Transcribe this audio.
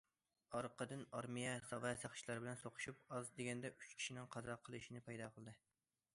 ئارقىدىن ئارمىيە ۋە ساقچىلار بىلەن سوقۇشۇپ، ئاز دېگەندە ئۈچ كىشىنىڭ قازا قىلىشنى پەيدا قىلدى.